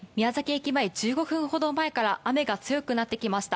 駅前１５分ほど前から雨が強くなってきました。